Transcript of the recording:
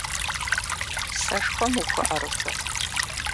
Сэшхуэм ухуэӀэрыхуэ?